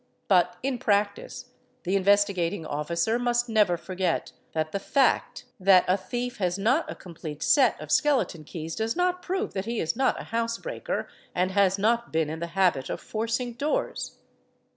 But in practice the Investigating Officer must never forget that the fact that a thief _ has not a complete set of skele _ ton keys does not prove that he is not a housebreaker and has not been in the habit of forcing doors.